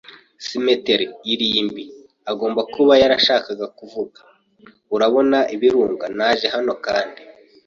cetemery ”- irimbi, agomba kuba yarashakaga kuvuga. “Urabona ibirunga? Naje hano kandi